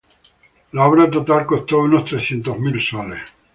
La obra total costó unos trescientos mil soles.